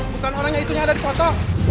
bukan orangnya itu nya ada di foto